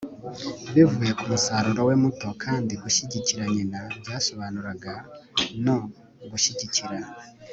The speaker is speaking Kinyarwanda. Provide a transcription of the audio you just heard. bivuye ku musaruro we muto. kandi gushyigikira nyina byasobanuraga no gushyigikira